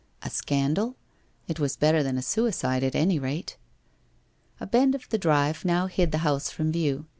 A scandal ? It was better than a suicide, at any rate. .. A bend of the drive now hid the house from view.